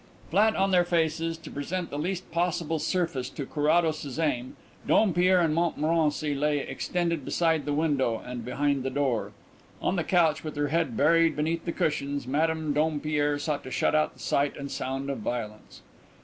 Flat on their faces, to present the least possible surface to Carrados's aim, Dompierre and Montmorency lay extended beside the window and behind the door. On the couch, with her head buried beneath the cushions, Madame Dompierre sought to shut out the sight and sound of violence.